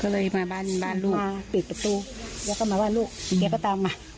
ก็เลยมาบ้านบ้านลูกปิดประตูแล้วก็มาว่าลูกแกก็ตามมา